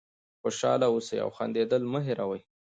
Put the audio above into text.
خوشحاله اوسئ او خندېدل مه هېروئ.